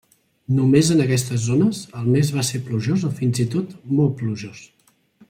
Només en aquestes zones el mes va ser plujós o fins i tot molt plujós.